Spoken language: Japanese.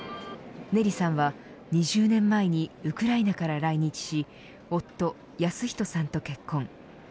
ネリさんは２０年前にウクライナから来日し夫、保人さんと結婚。